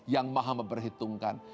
yang maha memperhitungkan